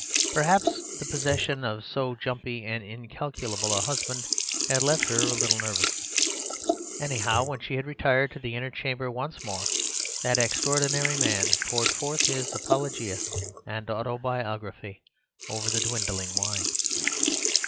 Perhaps the possession of so jumpy and incalculable a husband had left her a little nervous. Anyhow, when she had retired to the inner chamber once more, that extraordinary man poured forth his apologia and autobiography over the dwindling wine.